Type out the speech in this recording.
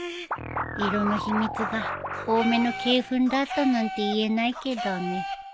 色の秘密が多めの鶏ふんだったなんて言えないけどね